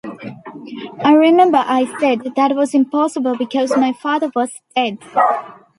I remember I said, that was impossible because my father was dead.